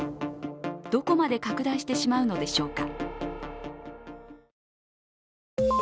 どこまで拡大してしまうのでしょうか。